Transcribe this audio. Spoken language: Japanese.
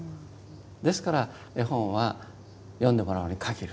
ですから絵本は読んでもらうに限る。